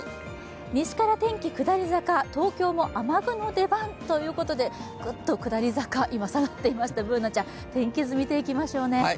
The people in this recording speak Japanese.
西から天気下り坂、東京も雨具の出番ということで、グッと下り坂、今、下がっていました、Ｂｏｏｎａちゃん、天気図を見てみましょう。